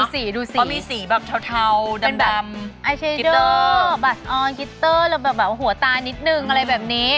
ดูสีดูสีเพราะมีสีแบบเทาดำคิตเตอร์บัตรออนคิตเตอร์แล้วแบบหัวตานิดนึงอะไรแบบนี้